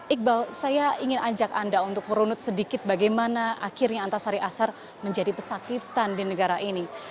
iqbal saya ingin ajak anda untuk merunut sedikit bagaimana akhirnya antasari azhar menjadi pesakitan di negara ini